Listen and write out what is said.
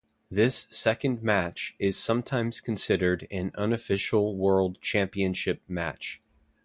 This second match is sometimes considered an unofficial world championship match.